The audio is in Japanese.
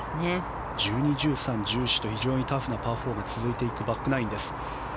１２、１３、１４と非常にタフなホールが続くバックナインです。